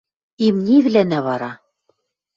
Имнивлӓнӓ вара?